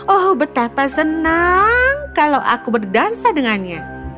oh betapa senang kalau aku berdansa dengannya